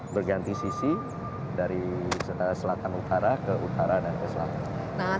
berganti sisi dari selatan utara ke utara dan ke selatan